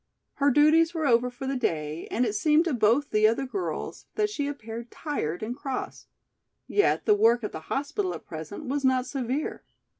Her duties were over for the day and it seemed to both the other girls that she appeared tired and cross. Yet the work at the hospital at present was not severe.